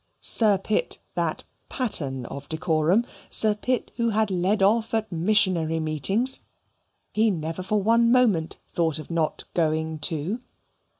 Sir Pitt that pattern of decorum, Sir Pitt who had led off at missionary meetings he never for one moment thought of not going too.